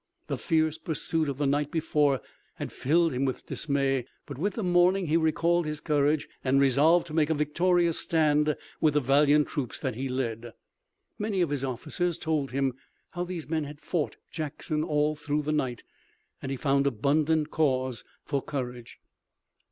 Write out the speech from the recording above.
The fierce pursuit of the night before had filled him with dismay, but with the morning he recalled his courage and resolved to make a victorious stand with the valiant troops that he led. Many of his officers told him how these men had fought Jackson all through the night, and he found abundant cause for courage.